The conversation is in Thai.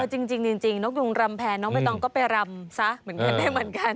จริงนกยุงรำแพนน้องใบตองก็ไปรำซะเหมือนกันได้เหมือนกัน